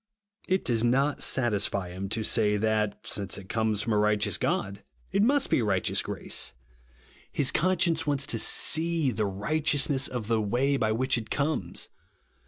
It does not satisfy him to say, that, since it comes from a righteous God, it 44) RIGHTEOUS GRACE. must be righteous grace. His conscience wants to see the righteousness of the way by which it comes.